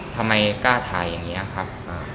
ทำไมกล้าถ่ายอย่างนี้ครับ